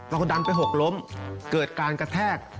เราดันไปหกล้มเกิดการกระแทก